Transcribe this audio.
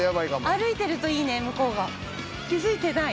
歩いてるといいね向こうが気づいてない？